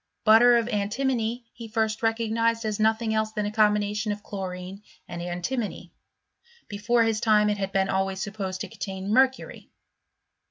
Butter of antimony he first recognised as nothing else than a combination of chlorine and antimony ; before his time it had been always supposed to contain mercury.